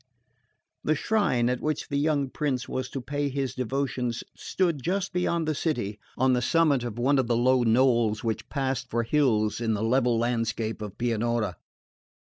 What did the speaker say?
The shrine at which the young prince was to pay his devotions stood just beyond the city, on the summit of one of the low knolls which pass for hills in the level landscape of Pianura.